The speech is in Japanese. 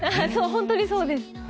本当にそうです。